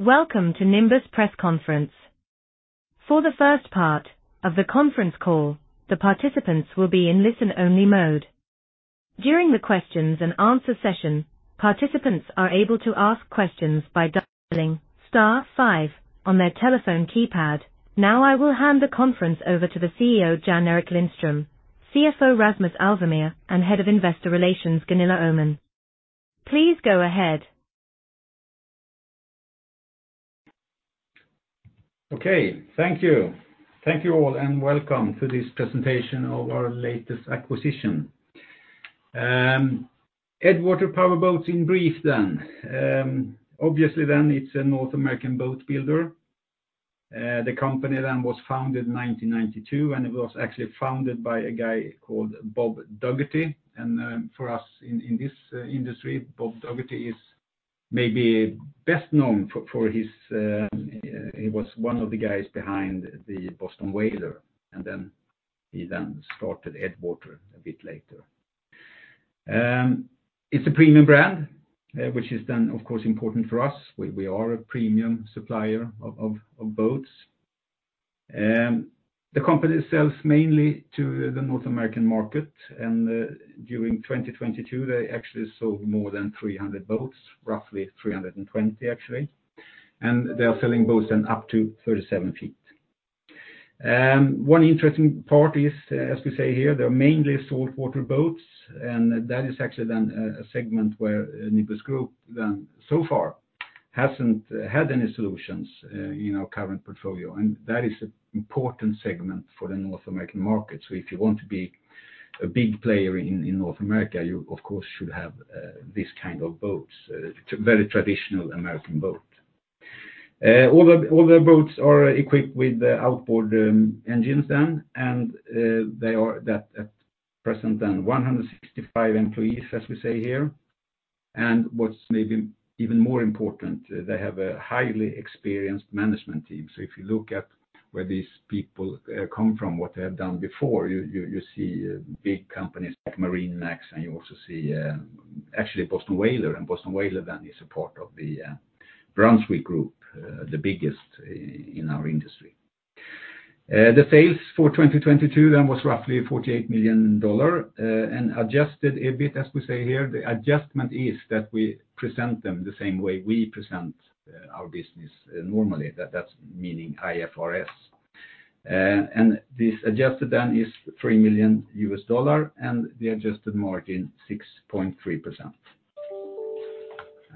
Welcome to Nimbus Press Conference. For the first part of the conference call, the participants will be in listen-only mode. During the questions and answer session, participants are able to ask questions by dialing star five on their telephone keypad. Now I will hand the conference over to the CEO, Jan-Erik Lindström, CFO Rasmus Alvemyr and Head of Investor Relations, Gunilla Öhman. Please go ahead. Okay. Thank you. Thank you all and welcome to this presentation of our latest acquisition. EdgeWater Power Boats in brief then. Obviously then it's a North American boat builder. The company then was founded in 1992, and it was actually founded by a guy called Bob Dougherty. For us in this industry, Bob Dougherty is maybe best known for his, he was one of the guys behind the Boston Whaler, and then he then started EdgeWater a bit later. It's a premium brand, which is then of course important for us. We are a premium supplier of boats. The company sells mainly to the North American market, and during 2022, they actually sold more than 300 boats, roughly 320 actually. They are selling boats then up to 37 ft. One interesting part is, as we say here, they're mainly saltwater boats, and that is actually then a segment where Nimbus Group then so far hasn't had any solutions in our current portfolio. That is an important segment for the North American market. If you want to be a big player in North America, you of course should have this kind of boats, very traditional American boat. All their boats are equipped with the outboard engines then. They are that at present then 165 employees, as we say here. What's maybe even more important, they have a highly experienced management team. If you look at where these people come from, what they have done before, you see big companies like MarineMax, and you also see actually Boston Whaler. Boston Whaler then is a part of the Brunswick Group, the biggest in our industry. The sales for 2022 then was roughly $48 million, and adjusted a bit as we say here. The adjustment is that we present them the same way we present our business normally. That's meaning IFRS. And this adjusted done is $3 million, and the adjusted margin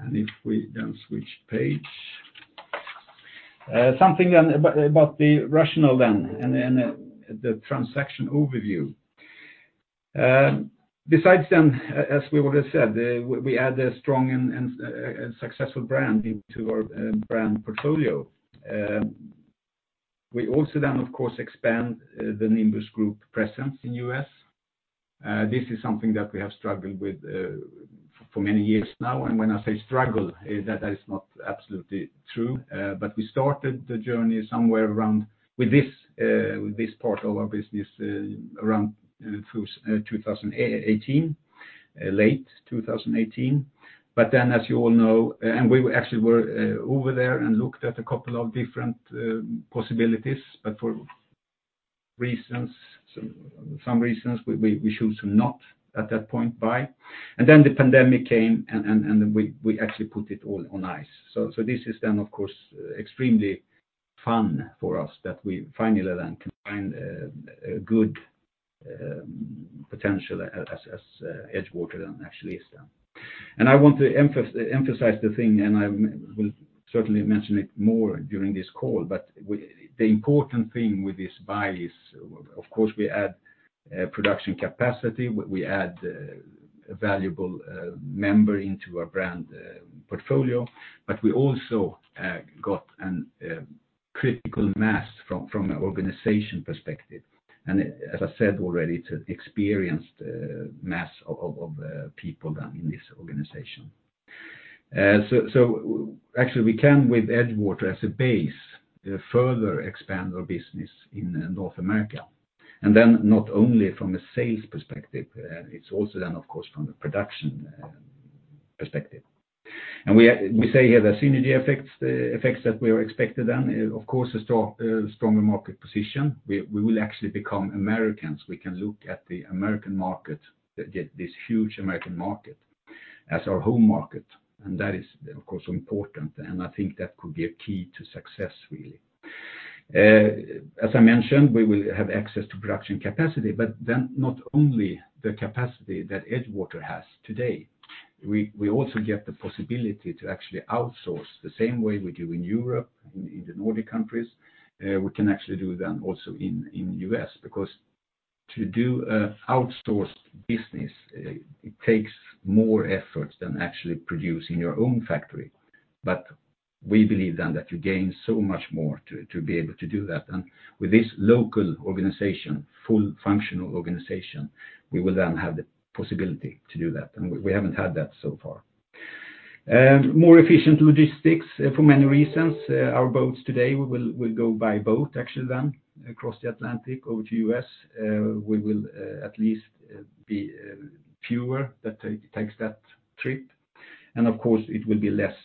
6.3%. If we then switch page. Something then about the rationale then and the transaction overview. Besides then, as we would've said, we add a strong and successful brand into our brand portfolio. We also then of course expand the Nimbus Group presence in U.S. This is something that we have struggled with for many years now. When I say struggle, that is not absolutely true. We started the journey somewhere around with this, with this part of our business, around through 2018, late 2018. As you all know, and we actually were over there and looked at a couple of different possibilities, but for some reasons, we chose to not at that point buy. The pandemic came and we actually put it all on ice. This is then of course extremely fun for us that we finally then can find a good potential as EdgeWater then actually is then. I want to emphasize the thing, and I will certainly mention it more during this call, but the important thing with this buy is, of course, we add production capacity, we add a valuable member into our brand portfolio, but we also got a critical mass from an organization perspective. As I said already, it's an experienced mass of people than in this organization. Actually we can with EdgeWater as a base, further expand our business in North America. Not only from a sales perspective, it's also then of course from the production perspective. We say here the synergy effects that we are expected then, of course, a strong, stronger market position. We will actually become Americans. We can look at the American market, this huge American market, as our home market, and that is of course important, and I think that could be a key to success really. As I mentioned, we will have access to production capacity. Not only the capacity that EdgeWater has today, we also get the possibility to actually outsource the same way we do in Europe, in the Nordic countries. We can actually do then also in U.S. because to do outsourced business, it takes more effort than actually producing your own factory. We believe then that you gain so much more to be able to do that. With this local organization, full functional organization, we will then have the possibility to do that, and we haven't had that so far. More efficient logistics, for many reasons. Our boats today will go by boat actually then across the Atlantic over to U.S. We will, at least, be fewer that takes that trip. Of course, it will be less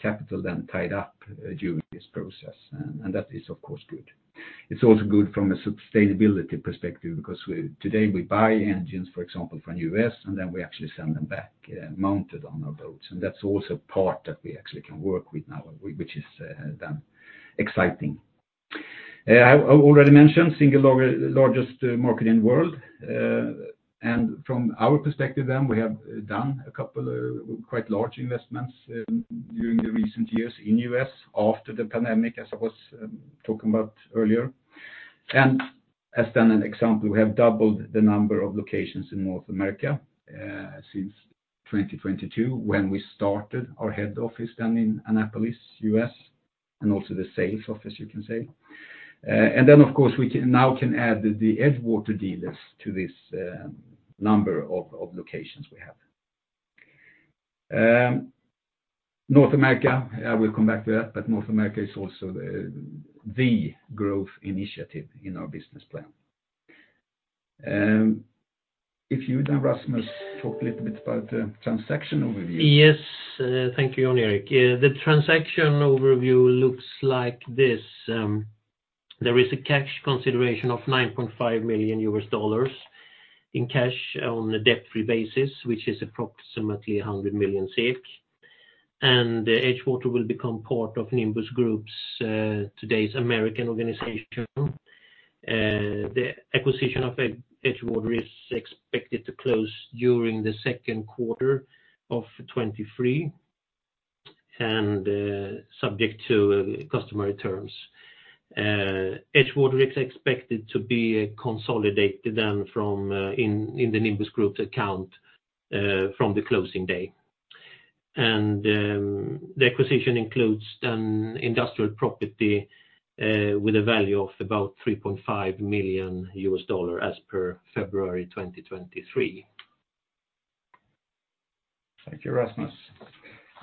capital than tied up during this process, and that is, of course, good. It's also good from a sustainability perspective because today we buy engines, for example, from U.S., and then we actually send them back, mounted on our boats, and that's also part that we actually can work with now, which is exciting. I already mentioned single largest market in world. From our perspective then, we have done a couple of quite large investments during the recent years in U.S. after the pandemic, as I was talking about earlier. As then an example, we have doubled the number of locations in North America since 2022 when we started our head office then in Annapolis, U.S., and also the sales office, you can say. Then, of course, we can now can add the EdgeWater dealers to this number of locations we have. North America, I will come back to that, but North America is also the growth initiative in our business plan. If you then, Rasmus, talk a little bit about the transaction overview. Yes, thank you, Jan-Erik. The transaction overview looks like this. There is a cash consideration of $9.5 million in cash on a debt-free basis, which is approximately 100 million. EdgeWater will become part of Nimbus Group's today's American organization. The acquisition of EdgeWater is expected to close during the second quarter of 2023 and subject to customary terms. EdgeWater is expected to be consolidated then from in the Nimbus Group account from the closing day. The acquisition includes an industrial property with a value of about $3.5 million as per February 2023. Thank you, Rasmus.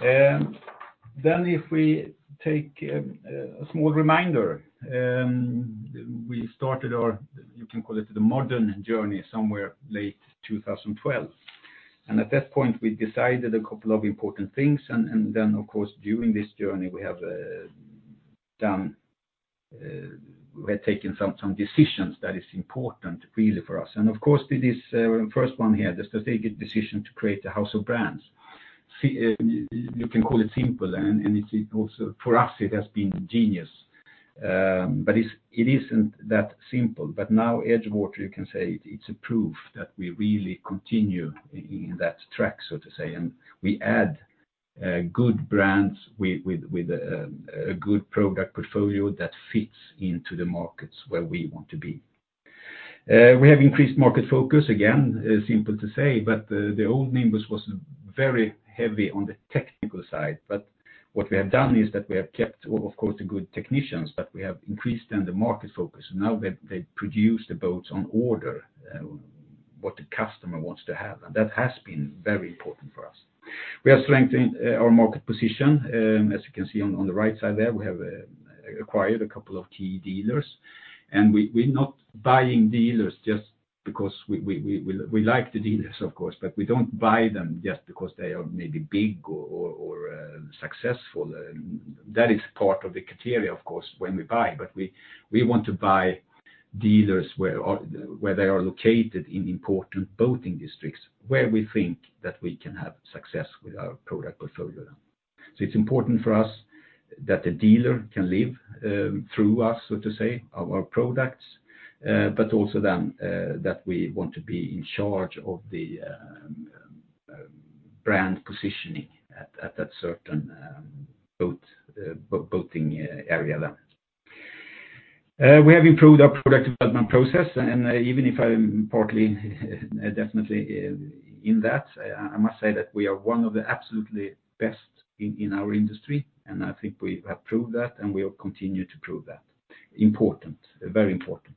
Then if we take a small reminder, we started our, you can call it, the modern journey somewhere late 2012. At that point, we decided a couple of important things. Then, of course, during this journey, we have done, we have taken some decisions that is important really for us. Of course, it is first one here, the strategic decision to create a house of brands. See, you can call it simple, and it's also, for us, it has been genius. It's, it isn't that simple. Now, EdgeWater, you can say it's a proof that we really continue in that track, so to say, and we add good brands with a good product portfolio that fits into the markets where we want to be. We have increased market focus. Again, simple to say, but the old Nimbus was very heavy on the technical side. What we have done is that we have kept, of course, the good technicians, but we have increased then the market focus. Now they produce the boats on order, what the customer wants to have. That has been very important for us. We have strengthened our market position. As you can see on the right side there, we have acquired a couple of key dealers, and we're not buying dealers just because we like the dealers, of course, but we don't buy them just because they are maybe big or, or successful. That is part of the criteria, of course, when we buy. We want to buy dealers where they are located in important boating districts, where we think that we can have success with our product portfolio. It's important for us that the dealer can live through us, so to say, our products, also that we want to be in charge of the brand positioning at that certain boating area there. We have improved our product development process, and even if I'm partly definitely in that, I must say that we are one of the absolutely best in our industry, and I think we have proved that, and we will continue to prove that. Important, very important.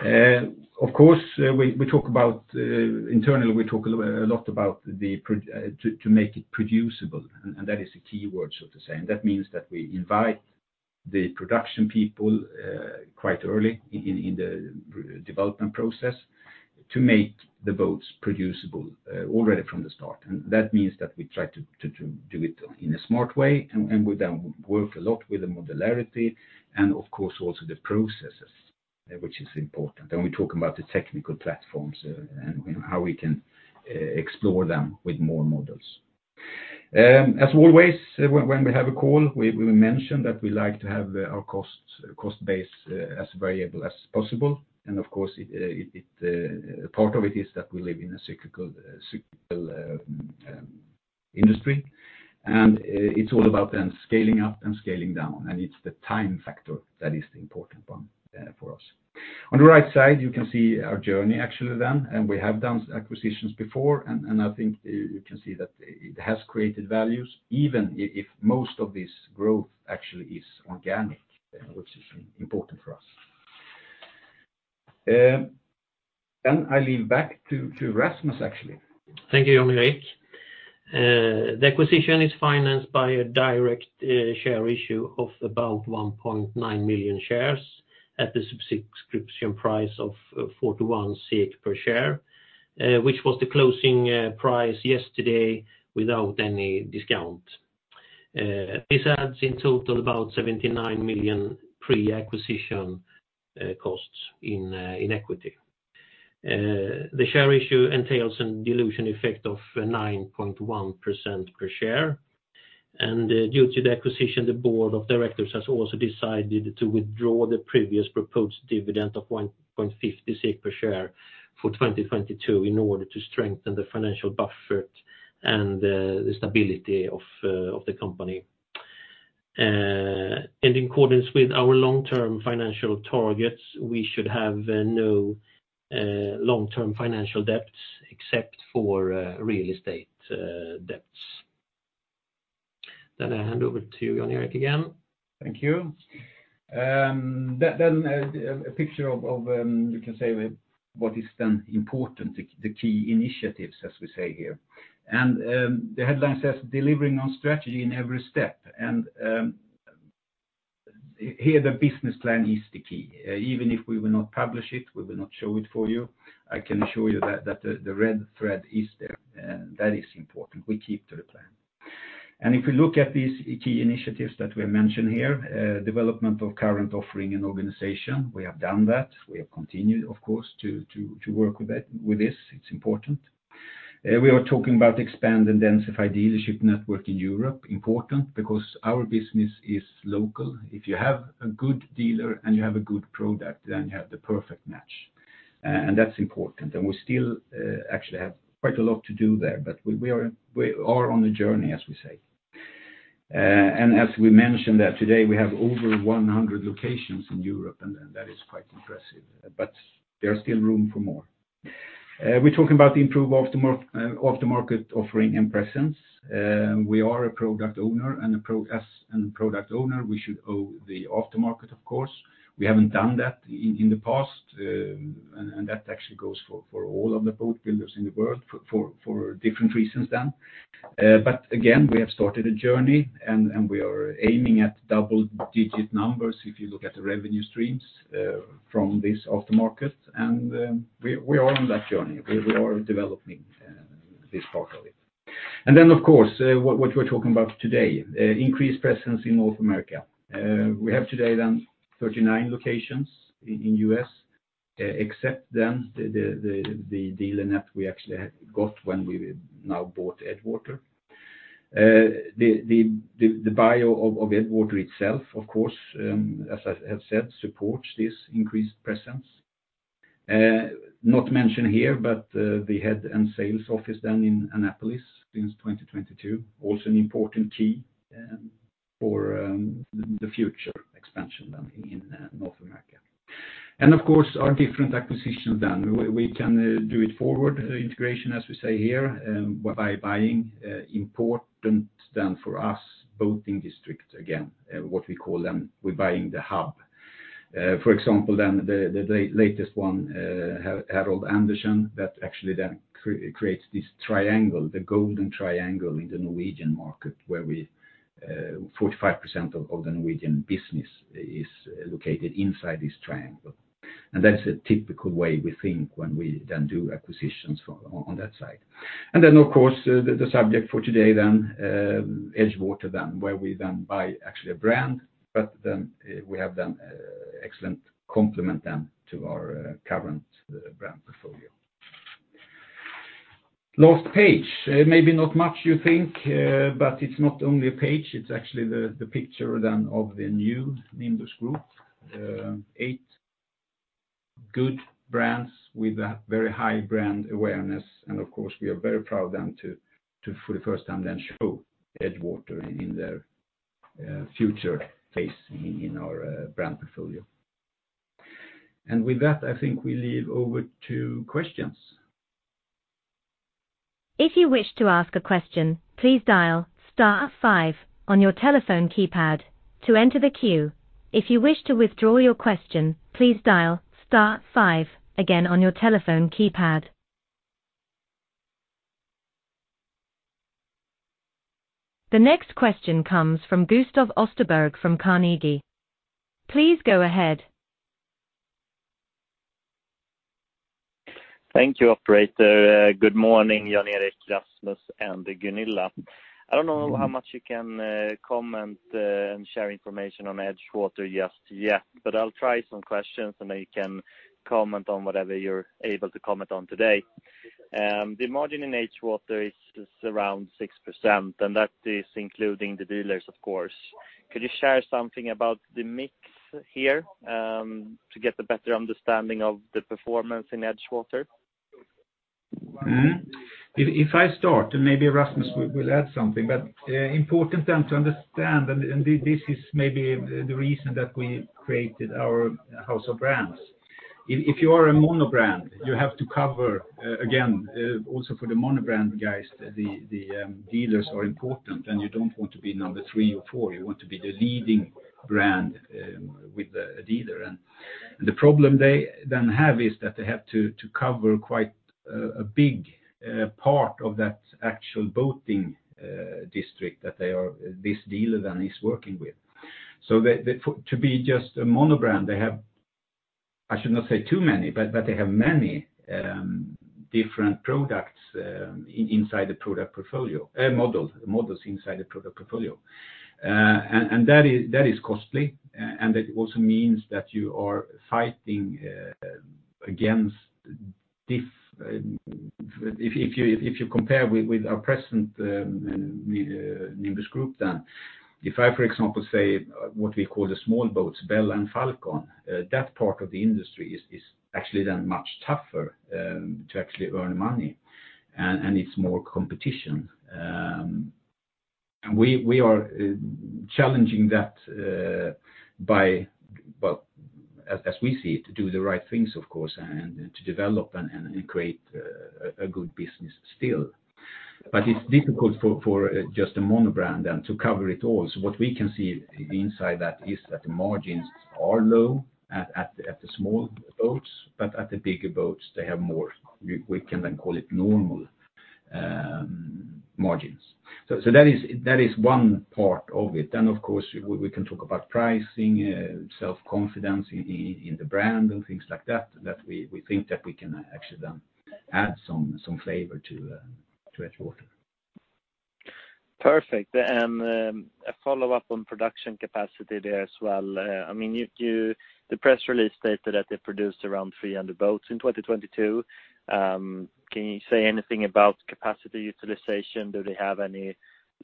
Of course, we talk about internally, we talk a lot about the prod... To make it producible, and that is a key word, so to say. That means that we invite the production people quite early in the development process to make the boats producible already from the start. That means that we try to do it in a smart way, we then work a lot with the modularity and of course, also the processes, which is important. We talk about the technical platforms, how we can explore them with more models. As always, when we have a call, we mention that we like to have our costs, cost base as variable as possible. Of course, it part of it is that we live in a cyclical cycle industry. It's all about then scaling up and scaling down, and it's the time factor that is the important one for us. On the right side, you can see our journey actually then, we have done acquisitions before, and I think you can see that it has created values, even if most of this growth actually is organic, which is important for us. I leave back to Rasmus, actually. Thank you, Jan-Erik. The acquisition is financed by a direct share issue of about 1.9 million shares. At the subscription price of 41 per share, which was the closing price yesterday without any discount. This adds in total about 79 million pre-acquisition costs in equity. The share issue entails a dilution effect of 9.1% per share. Due to the acquisition, the board of directors has also decided to withdraw the previous proposed dividend of 1.50 SEK per share for 2022 in order to strengthen the financial buffer and the stability of the company. In accordance with our long-term financial targets, we should have no long-term financial debts except for real estate debts. I hand over to you, Jan-Erik, again. Thank you. Then a picture of, you can say what is then important, the key initiatives, as we say here. The headline says, "Delivering on strategy in every step." Here, the business plan is the key. Even if we will not publish it, we will not show it for you, I can assure you that the red thread is there. That is important. We keep to the plan. If you look at these key initiatives that we mentioned here, development of current offering and organization, we have done that. We have continued, of course, to work with that, with this. It's important. We are talking about expand and densify dealership network in Europe, important because our business is local. If you have a good dealer and you have a good product, then you have the perfect match, and that's important. We still, actually have quite a lot to do there, but we are on a journey, as we say. As we mentioned that today, we have over 100 locations in Europe, and that is quite impressive, but there's still room for more. We're talking about the improve aftermarket offering and presence. We are a product owner. As a product owner, we should own the aftermarket, of course. We haven't done that in the past, and that actually goes for all of the boat builders in the world for different reasons then. Again, we have started a journey and we are aiming at double-digit numbers, if you look at the revenue streams from this aftermarket. We are on that journey. We are developing this part of it. Of course, what we're talking about today, increased presence in North America. We have today then 39 locations in U.S., except then the dealer net we actually had got when we now bought EdgeWater. The buy of EdgeWater itself, of course, as I have said, supports this increased presence. Not mentioned here, but the head and sales office then in Annapolis since 2022, also an important key for the future expansion then in North America. Of course, our different acquisitions then. We can do it forward, integration, as we say here, by buying important then for us, boating district again, what we call them, we're buying the hub. For example, then the latest one, Herholdt Andersen, that actually then creates this triangle, the golden triangle in the Norwegian market, where we 45% of the Norwegian business is located inside this triangle. That's a typical way we think when we then do acquisitions for on that side. Of course, the subject for today then, EdgeWater then, where we then buy actually a brand, we have then excellent complement then to our current brand portfolio. Last page. Maybe not much you think, but it's not only a page, it's actually the picture then of the new Nimbus Group, eight good brands with a very high brand awareness. Of course, we are very proud then to for the first time, then show EdgeWater in their future place in our brand portfolio. With that, I think we leave over to questions. If you wish to ask a question, please dial star five on your telephone keypad to enter the queue. If you wish to withdraw your question, please dial star five again on your telephone keypad. The next question comes from Gustav Österberg from Carnegie. Please go ahead. Thank you, operator. Good morning, Jan-Erik, Rasmus, and Gunilla. I don't know how much you can comment and share information on EdgeWater just yet, but I'll try some questions and then you can comment on whatever you're able to comment on today. The margin in EdgeWater is around 6%, and that is including the dealers, of course. Could you share something about the mix here to get a better understanding of the performance in EdgeWater? If I start, and maybe Rasmus will add something. Important then to understand, and this is maybe the reason that we created our house of brands. If you are a monobrand, you have to cover, again, also for the monobrand guys, the dealers are important, and you don't want to be number three or four. You want to be the leading brand with a dealer. The problem they then have is that they have to cover quite a big part of that actual boating district that they are, this dealer then is working with. They... For to be just a monobrand, they have I should not say too many, but they have many different products inside the product portfolio, models inside the product portfolio. That is costly. It also means that you are fighting, if you compare with our present Nimbus Group then, if I, for example, say, what we call the small boats, Bella and Falcon, that part of the industry is actually then much tougher to actually earn money and it's more competition. We are challenging that by... Well, as we see it, to do the right things, of course, and to develop and create a good business still. It's difficult for just a monobrand and to cover it all. What we can see inside that is that the margins are low at the small boats, but at the bigger boats they have more, we can then call it normal margins. That is one part of it. Of course, we can talk about pricing, self-confidence in the brand and things like that we think that we can actually then add some flavor to EdgeWater. Perfect. A follow-up on production capacity there as well. I mean, the press release stated that they produced around 300 boats in 2022. Can you say anything about capacity utilization? Do they have any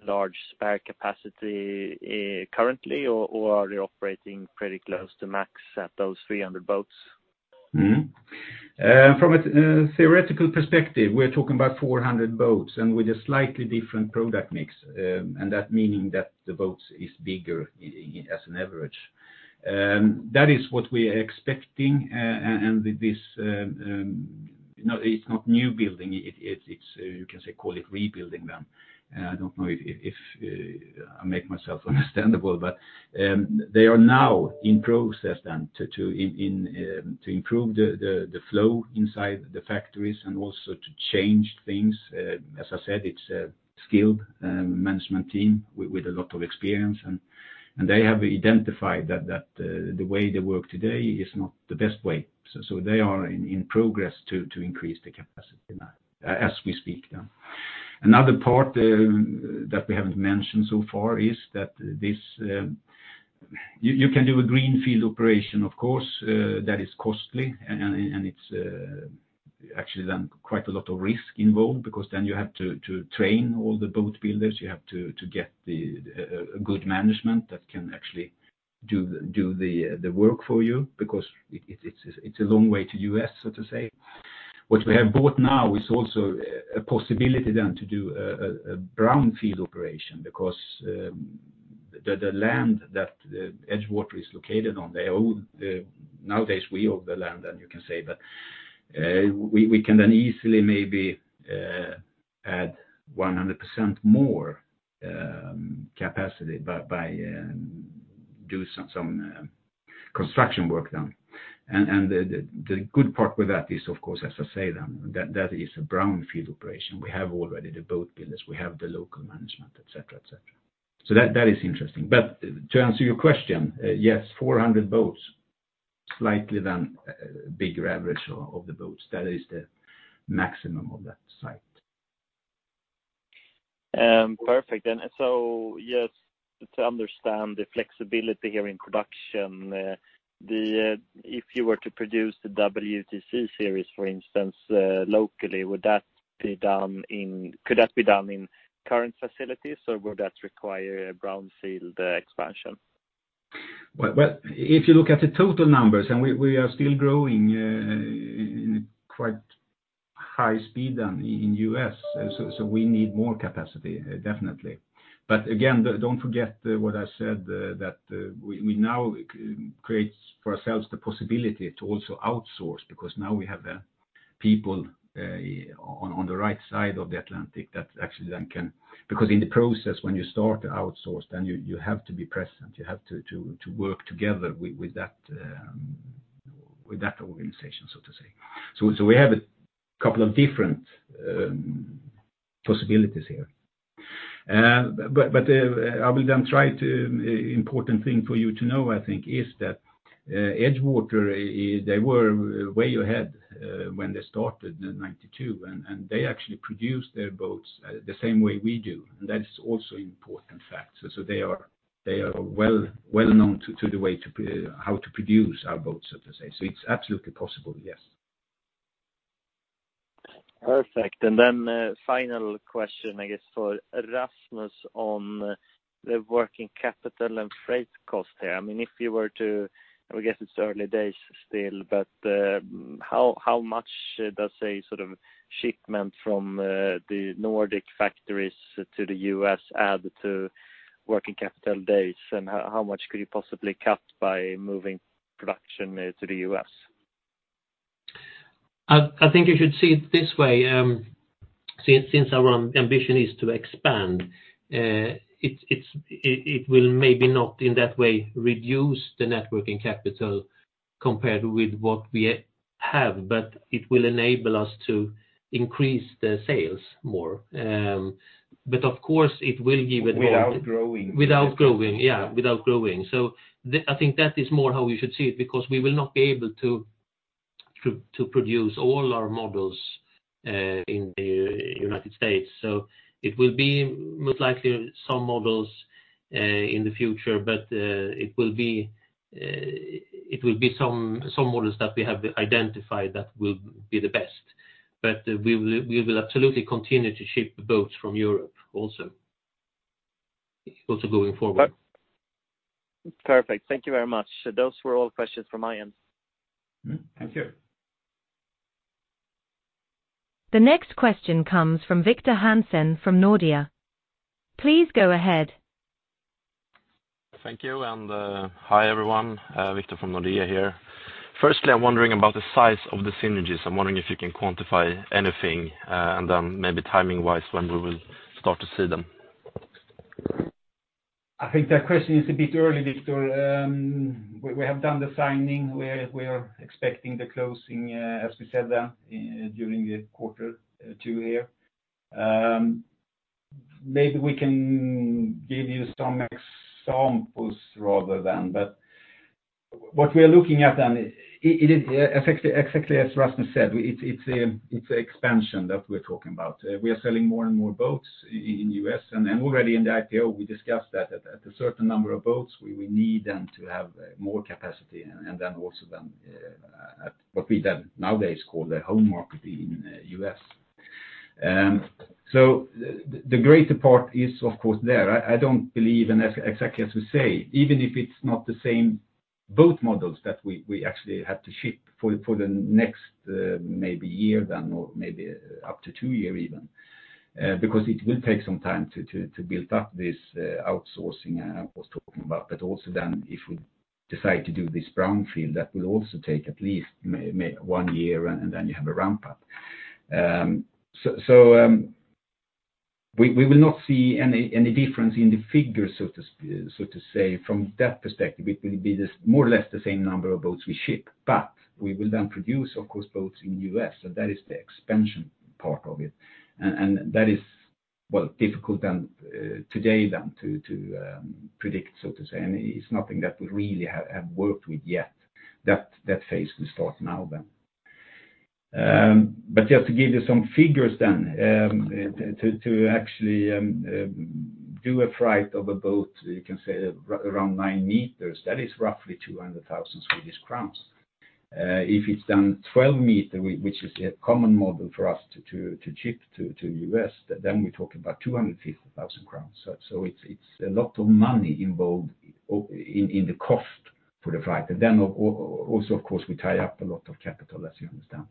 large spare capacity currently or are they operating pretty close to max at those 300 boats? From a theoretical perspective, we're talking about 400 boats and with a slightly different product mix. That meaning that the boats is bigger as an average. That is what we are expecting. This, no it's not new building. It's, you can say call it rebuilding them. I don't know if I make myself understandable, but they are now in process then to improve the flow inside the factories and also to change things. As I said, it's a skilled management team with a lot of experience and they have identified that the way they work today is not the best way. They are in progress to increase the capacity now as we speak then. Another part that we haven't mentioned so far is that this. You can do a greenfield operation, of course, that is costly and it's actually then quite a lot of risk involved because then you have to train all the boat builders. You have to get the a good management that can actually do the work for you because it's a long way to U.S., so to say. What we have bought now is also a possibility then to do a brownfield operation because the land that EdgeWater is located on, they own, nowadays we own the land and you can say, but we can then easily maybe add 100% more capacity by do some construction work then. The good part with that is of course, as I say then, that is a brownfield operation. We have already the boat builders, we have the local management, et cetera, et cetera. That is interesting. To answer your question, yes, 400 boats, slightly than bigger average of the boats. That is the maximum of that site. Perfect. Just to understand the flexibility here in production, the, if you were to produce the WTC series, for instance, locally, could that be done in current facilities or would that require a brownfield expansion? Well, if you look at the total numbers, we are still growing in quite high speed than in U.S.. We need more capacity, definitely. Again, don't forget what I said, that we now create for ourselves the possibility to also outsource because now we have people on the right side of the Atlantic that actually then can. In the process when you start to outsource, then you have to be present, you have to work together with that organization, so to say. We have a couple of different possibilities here. I will then try to, important thing for you to know, I think, is that EdgeWater. They were way ahead, when they started in 1992, and they actually produce their boats the same way we do, and that is also important factor. They are well known to the way to how to produce our boats, so to say. It's absolutely possible, yes. Perfect. Then, final question, I guess for Rasmus on the working capital and freight cost here. I mean, if you were to, I guess it's early days still, but, how much does a sort of shipment from the Nordic factories to the U.S. add to working capital days, and how much could you possibly cut by moving production to the U.S.? I think you should see it this way, since our own ambition is to expand, it will maybe not in that way reduce the net working capital compared with what we Have, but it will enable us to increase the sales more. of course, it will give. Without growing. Without growing. Yeah, without growing. I think that is more how we should see it, because we will not be able to produce all our models in the United States. It will be most likely some models in the future, but it will be some models that we have identified that will be the best. We will absolutely continue to ship the boats from Europe also going forward. Perfect. Thank you very much. Those were all questions from my end. Mm-hmm. Thank you. The next question comes from Victor Hansen from Nordea. Please go ahead. Thank you. Hi, everyone, Victor from Nordea here. Firstly, I'm wondering about the size of the synergies. I'm wondering if you can quantify anything, and then maybe timing-wise, when we will start to see them. I think that question is a bit early, Victor. We have done the signing. We are expecting the closing, as we said, during the quarter two here. Maybe we can give you some examples rather than, but what we are looking at then, it is exactly as Rasmus said, it's expansion that we're talking about. We are selling more and more boats in U.S., and already in the IPO, we discussed that at a certain number of boats, we will need them to have more capacity. Also then, at what we then nowadays call the home market in U.S. The greater part is, of course, there. I don't believe, and exactly as we say, even if it's not the same boat models that we actually have to ship for the next maybe year then, or maybe up to two year even, because it will take some time to build up this outsourcing I was talking about. Also then if we decide to do this brownfield, that will also take at least one year, and then you have a ramp up. We will not see any difference in the figures, so to say, from that perspective, it will be this more or less the same number of boats we ship, but we will then produce, of course, boats in the U.S.. That is the expansion part of it, and that is, well, difficult than today than to predict, so to say. It's nothing that we really have worked with yet. That phase will start now then. Just to give you some figures then, to actually do a freight of a boat, you can say around 9 m, that is roughly 200,000 Swedish crowns. If it's done 12 m, which is a common model for us to ship to U.S., then we talk about 250,000 crowns. It's a lot of money involved in the cost for the freight. Then also, of course, we tie up a lot of capital, as you understand.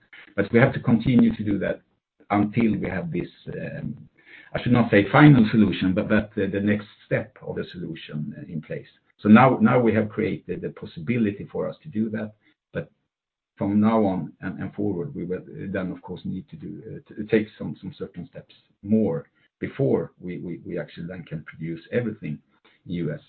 We have to continue to do that until we have this, I should not say final solution, but that the next step of the solution in place. Now we have created the possibility for us to do that. From now on and forward, we will then, of course, need to do, take some certain steps more before we actually then can produce everything U.S.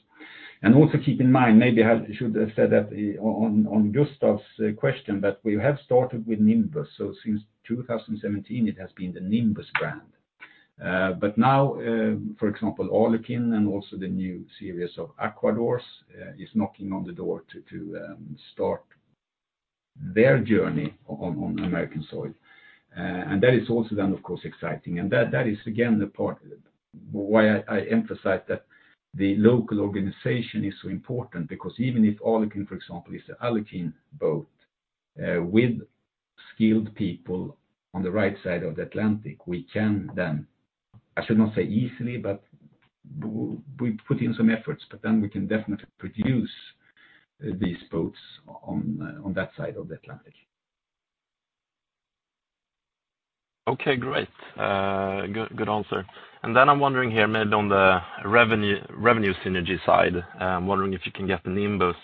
Also keep in mind, maybe I should have said that on Gustav's question, that we have started with Nimbus. Since 2017, it has been the Nimbus brand. But now, for example, Alukin and also the new series of Aquador, is knocking on the door to start their journey on American soil. And that is also then, of course, exciting. That is again, the part why I emphasize that the local organization is so important, because even if Alukin, for example, is Alukin boat, with skilled people on the right side of the Atlantic, we can then, I should not say easily, but we put in some efforts, but then we can definitely produce these boats on that side of the Atlantic. Okay, great. Good, good answer. I'm wondering here, maybe on the revenue synergy side, I'm wondering if you can get the Nimbus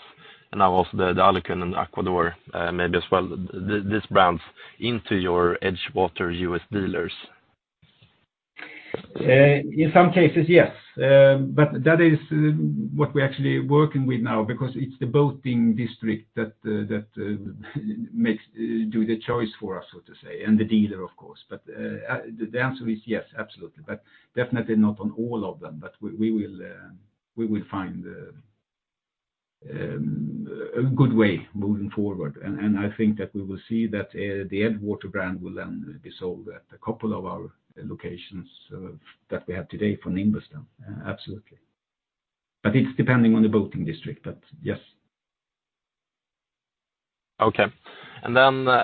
and now also the Alukin and Aquador, maybe as well, these brands into your EdgeWater U.S. dealers? In some cases, yes. That is what we're actually working with now because it's the boating district that do the choice for us, so to say, and the dealer, of course. The answer is yes, absolutely. Definitely not on all of them. We will find a good way moving forward. I think that we will see that the EdgeWater brand will then be sold at a couple of our locations that we have today for Nimbus then. Absolutely. It's depending on the boating district. Yes. Okay. The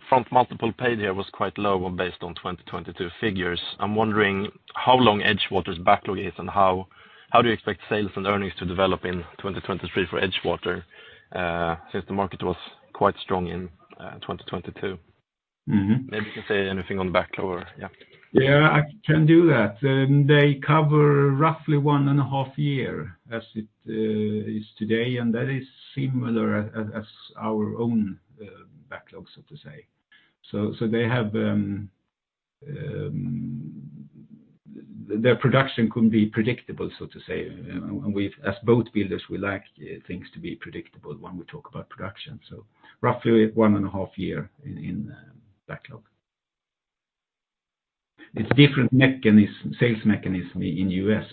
upfront multiple paid here was quite low based on 2022 figures. I'm wondering how long EdgeWater's backlog is and how do you expect sales and earnings to develop in 2023 for EdgeWater, since the market was quite strong in 2022? Mm-hmm. Maybe you can say anything on backlog or yeah? Yeah, I can do that. They cover roughly one and a half year as it is today, and that is similar as our own backlog, so to say. They have. The production can be predictable, so to say. As boat builders, we like things to be predictable when we talk about production. Roughly one and a half year in backlog. It's different mechanism, sales mechanism in the U.S.,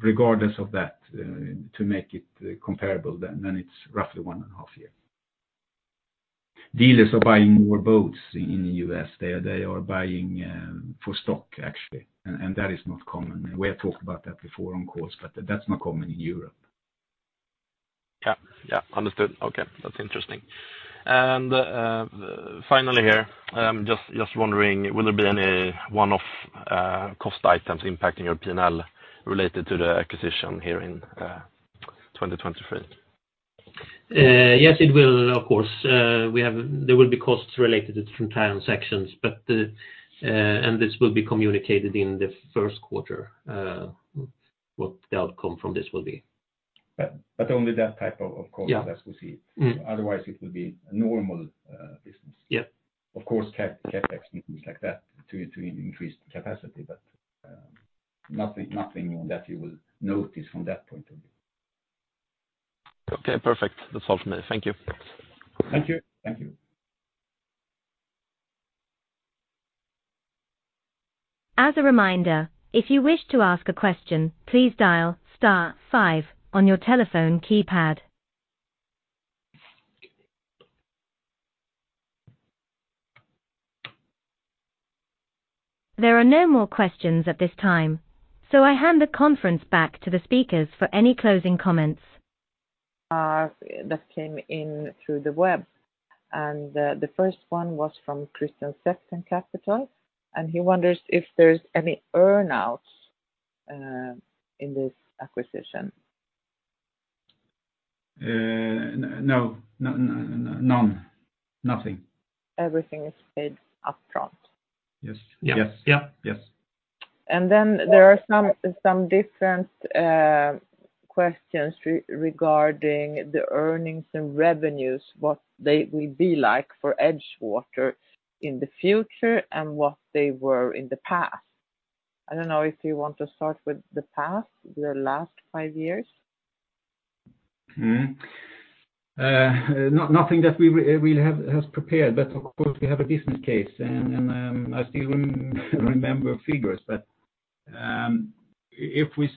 regardless of that, to make it comparable then it's roughly one and a half year. Dealers are buying more boats in the U.S. They are buying for stock, actually. That is not common. We have talked about that before on calls, but that's not common in Europe. Yeah. Yeah. Understood. Okay. That's interesting. Finally here, just wondering, will there be any one-off cost items impacting your P&L related to the acquisition here in 2023? Yes, it will, of course. There will be costs related to different transactions, but. This will be communicated in the first quarter, what the outcome from this will be. only that type of course, as we see. Yeah. Otherwise, it will be a normal business. Yeah. Of course, CapEx and things like that to increase capacity, but nothing that you will notice from that point of view. Okay, perfect. That's all from me. Thank you. Thank you. Thank you. As a reminder, if you wish to ask a question, please dial star five on your telephone keypad. There are no more questions at this time, so I hand the conference back to the speakers for any closing comments. That came in through the web. The first one was from Christian, Sexton Capital, and he wonders if there's any earn-outs in this acquisition. No. None. Nothing. Everything is paid up front. Yes. Yes. Yeah. Yeah. Yes. Then there are some different questions regarding the earnings and revenues, what they will be like for EdgeWater in the future and what they were in the past. I don't know if you want to start with the past, the last five years? nothing that we have has prepared, but of course, we have a business case and I still remember figures. If we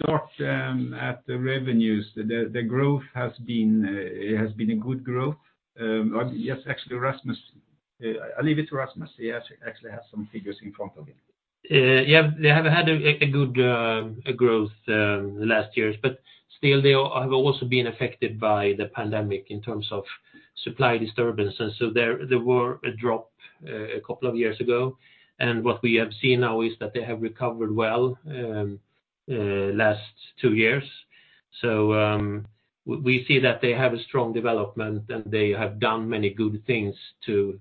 start at the revenues, the growth has been it has been a good growth. Yes, actually, Rasmus. I'll leave it to Rasmus. He actually has some figures in front of him. Yeah, they have had a good growth last years. Still, they have also been affected by the pandemic in terms of supply disturbances. There were a drop a couple of years ago. What we have seen now is that they have recovered well last two years. We see that they have a strong development, and they have done many good things to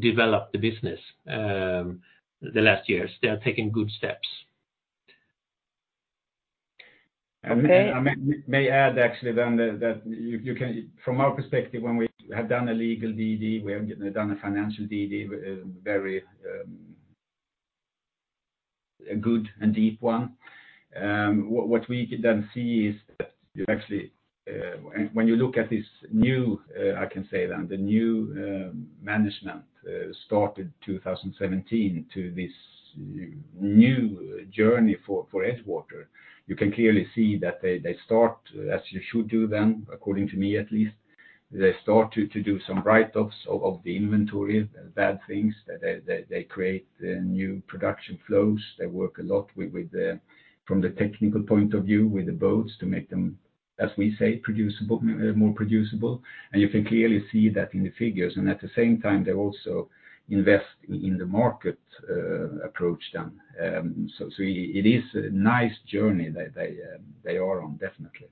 develop the business the last years. They are taking good steps. Okay. I may add actually then that you can, from our perspective, when we have done a legal DD, we have done a financial DD, very, a good and deep one. What we then see is that actually, when you look at this new, I can say then, the new management started 2017 to this new journey for EdgeWater, you clearly see that they start, as you should do then, according to me at least, they start to do some write-offs of the inventory, bad things. They create new production flows. They work a lot with the, from the technical point of view, with the boats to make them, as we say, producible, more producible. You can clearly see that in the figures. At the same time, they also invest in the market approach then. So it is a nice journey that they are on, definitely.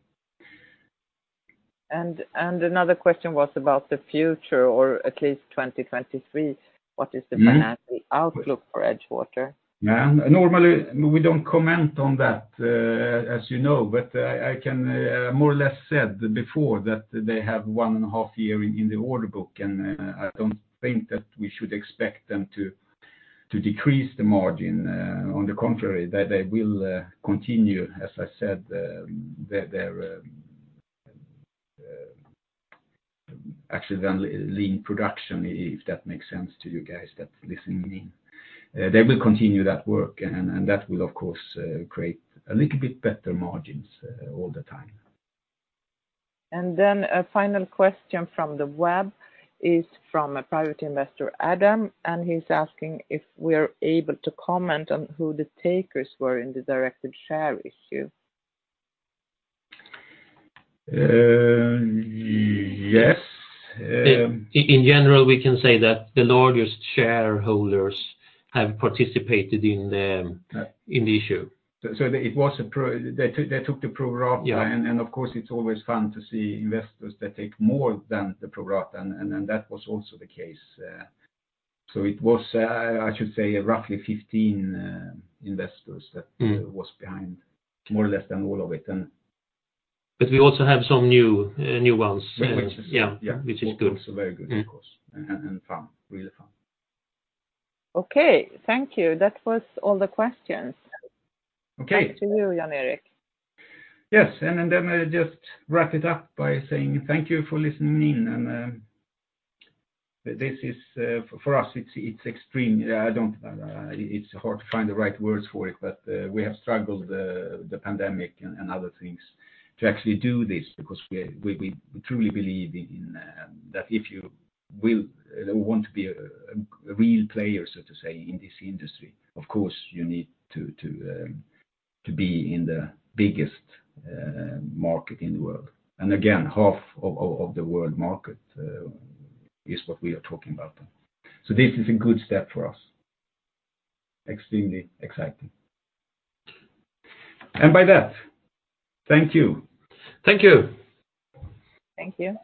Another question was about the future or at least 2023. Mm-hmm. What is the financial outlook for EdgeWater? Yeah. Normally, we don't comment on that, as you know, but I can more or less said before that they have one half year in the order book. I don't think that we should expect them to decrease the margin. On the contrary, they will continue, as I said, their actually lean production, if that makes sense to you guys that's listening in. They will continue that work and that will, of course, create a little bit better margins all the time. A final question from the web is from a private investor, Adam, and he's asking if we're able to comment on who the takers were in the directed share issue. Yes. In general, we can say that the largest shareholders have participated. Yeah in the issue. It was They took the pro rata. Yeah. Of course, it's always fun to see investors that take more than the pro rata, and that was also the case. It was, I should say, roughly 15, investors that. Mm... was behind more or less than all of it. And... We also have some new ones. Which Yeah. Which is good. Also very good, of course, and fun. Really fun. Okay, thank you. That was all the questions. Okay. Back to you, Jan-Erik. Yes. Then, then I just wrap it up by saying thank you for listening in. This is for us, it's extreme. I don't, it's hard to find the right words for it, but we have struggled, the pandemic and other things to actually do this because we truly believe in that if you will, want to be a real player, so to say, in this industry, of course, you need to be in the biggest market in the world. Again, half of the world market is what we are talking about. This is a good step for us. Extremely exciting. By that, thank you. Thank you. Thank you.